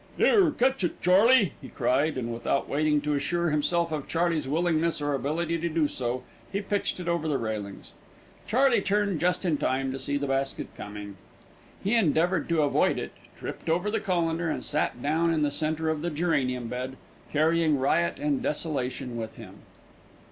"'Ere, catch it, Charley," he cried, and without waiting to assure himself of Charley's willingness or ability to do so, he pitched it over the railings. Charley turned just in time to see the basket coming. He endeavoured to avoid it, tripped over the colander, and sat down in the centre of the geranium bed, carrying riot and desolation with him.